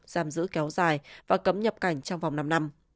giam giữ kéo dài và cấm nhập cảnh trong vòng năm năm